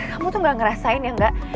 kamu tuh gak ngerasain ya enggak